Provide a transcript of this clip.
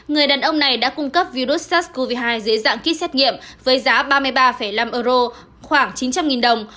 người đàn ông này đã cung cấp virus sars cov hai dễ dàng ký xét nghiệm với giá ba mươi ba năm euro khoảng chín trăm linh đồng